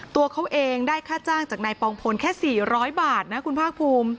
ตัวเขาเองได้ค่าจ้างจากนายปองพลแค่๔๐๐บาทนะคุณภาคภูมิ